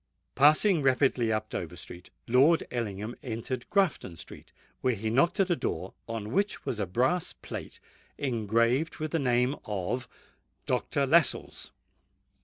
Passing rapidly up Dover Street, Lord Ellingham entered Grafton Street, where he knocked at a door on which was a brass plate engraved with the name of DR. LASCELLES.